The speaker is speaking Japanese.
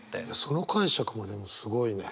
その解釈はでもすごいね。